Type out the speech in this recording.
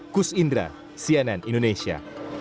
kus indra cnn indonesia